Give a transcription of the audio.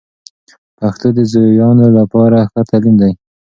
پښتو د زویانو لپاره ښه تعلیم دی.